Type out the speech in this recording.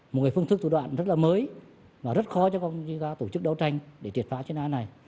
một phương thức thủ đoạn rất là mới và rất khó cho tổ chức đấu tranh để triệt phá chuyên án này